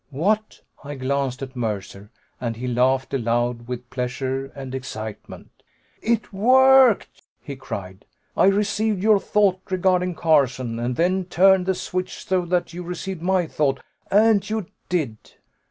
What I glanced at Mercer, and he laughed aloud with pleasure and excitement. "It worked!" he cried. "I received your thought regarding Carson, and then turned the switch so that you received my thought. And you did!"